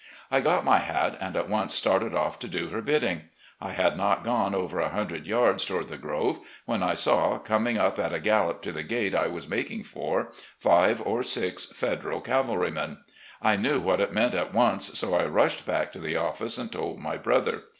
I got my hat, and at once started off to do her bidding. I had not gone over a hundred yards toward the grove, when I saw, coming up at a gallop to the gate I was making for, five or six Federal cavahymen. I knew what it meant at once, so I rushed back to the office and told my brother.